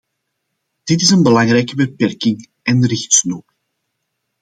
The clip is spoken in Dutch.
Dit is een belangrijke beperking en richtsnoer.